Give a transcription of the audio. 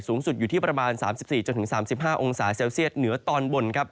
สูงสุดอยู่ที่ประมาณ๓๔๓๕องศาเซลเซียตเหนือตอนบนครับ